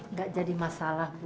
nggak jadi masalah bu